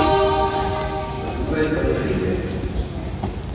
Rubén Rodríguez